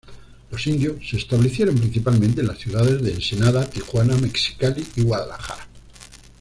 Los indios se establecieron principalmente en las ciudades de Ensenada, Tijuana, Mexicali y Guadalajara.